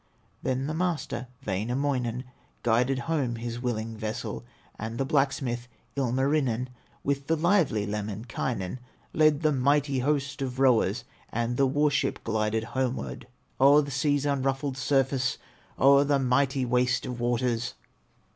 Then the master, Wainamoinen, Guided home his willing vessel; And the blacksmith, Ilmarinen, With the lively Lemminkainen, Led the mighty host of rowers, And the war ship glided homeward O'er the sea's unruffled surface, O'er the mighty waste of waters.